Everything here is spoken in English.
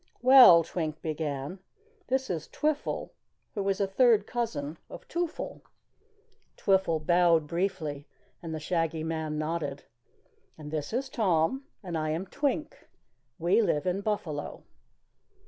"Well," Twink began, "this is Twiffle who is a third cousin of Twoffle." Twiffle bowed briefly and the Shaggy Man nodded. "And this is Tom, and I am Twink. We live in Buffalo."